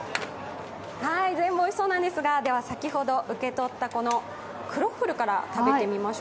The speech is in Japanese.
全部おいしそうなんですが、先ほど受け取ったこのクロッフルから食べてみます。